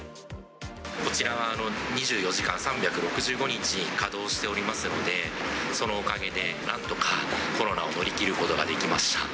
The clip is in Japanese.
こちらは２４時間３６５日稼働しておりますので、そのおかげで、なんとか、コロナを乗り切ることができました。